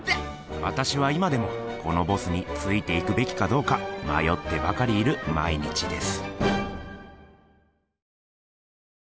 わたしは今でもこのボスについていくべきかどうかまよってばかりいる毎日です。